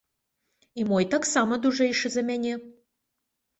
І мой таксама дужэйшы за мяне.